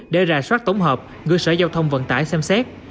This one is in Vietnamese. để ra soát tổng hợp gửi sở giao thông vận tải xem xét